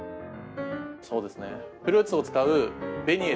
そうですね。